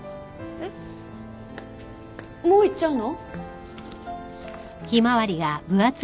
えっもう行っちゃうの？